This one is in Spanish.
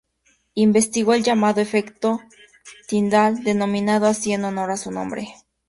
Investigó el llamado efecto Tyndall, denominado así en honor a su nombre.